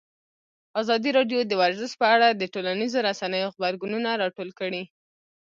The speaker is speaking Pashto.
ازادي راډیو د ورزش په اړه د ټولنیزو رسنیو غبرګونونه راټول کړي.